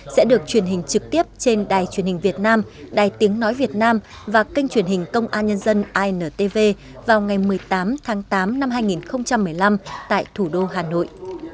sẽ được truyền hình trực tiếp trên đài truyền hình việt nam đài tiếng nói việt nam và kênh truyền hình công an nhân dân intv vào ngày một mươi tám tháng tám năm hai nghìn một mươi năm tại thủ đô hà nội